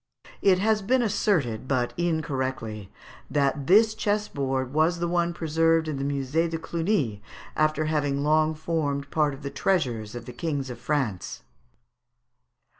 It has been asserted, but incorrectly, that this chessboard was the one preserved in the Musée de Cluny, after having long formed part of the treasures of the Kings of France.